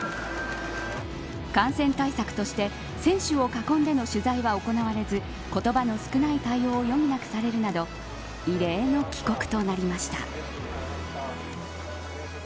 感染対策として選手を囲んでの取材は行われず言葉の少ない対応を余儀なくされるなど異例の帰国となりました。